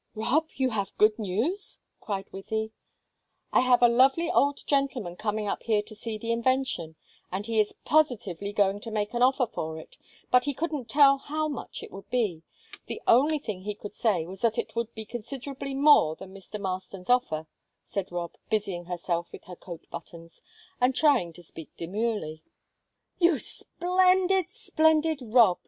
"Rob, have you good news?" cried Wythie. "I have a lovely old gentleman coming up here to see the invention, and he is positively going to make an offer for it, but he couldn't tell how much it would be. The only thing he could say was that it would be considerably more than Mr. Marston's offer," said Rob, busying herself with her coat buttons, and trying to speak demurely. "You splendid, splendid Rob!"